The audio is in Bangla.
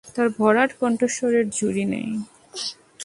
তার ভরাট কন্ঠস্বরের জুড়ি নেই!